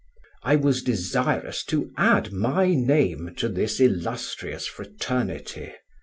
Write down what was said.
"I was desirous to add my name to this illustrious fraternity.